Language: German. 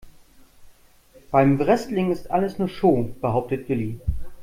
Beim Wrestling ist alles nur Show, behauptet Willi.